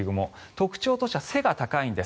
特徴としては背が高いんです。